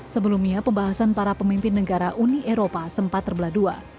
sebelumnya pembahasan para pemimpin negara uni eropa sempat terbelah dua